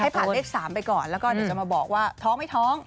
ผ่านเลข๓ไปก่อนแล้วก็เดี๋ยวจะมาบอกว่าท้องไม่ท้อง